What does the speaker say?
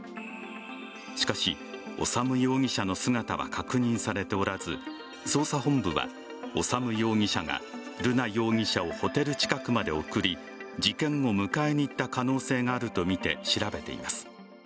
しかし、修容疑者の姿は確認されておらず、捜査本部は修容疑者が瑠奈容疑者をホテル近くまで送り事件後、迎えに行った可能性があるとみて調べています。